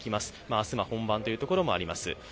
明日が本番というところもあります。